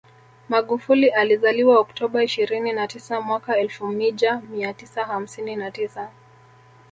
Magufuli alizaliwa Oktoba ishirini na tisa mwaka elfu mija mia tisa hamsini na tisa